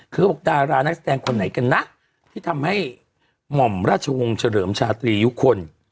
เขาบอกดารานักแสดงคนไหนกันนะที่ทำให้หม่อมราชวงศ์เฉลิมชาตรียุคล